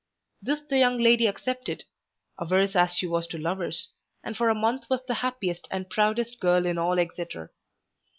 This the young lady accepted, averse as she was to lovers, and for a month was the happiest and proudest girl in all Exeter.